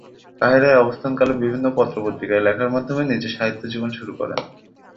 কাহেরায় অবস্থান কালে বিভিন্ন পত্র-পত্রিকায় লেখার মাধ্যমে নিজের সাহিত্য জীবন শুরু করেন।